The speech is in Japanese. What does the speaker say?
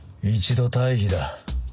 一度退避だ。